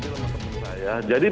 jadi benar benar tidak